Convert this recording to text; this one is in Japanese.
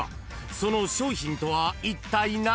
その商品とはいったい何？］